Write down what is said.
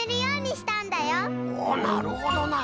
なるほどな。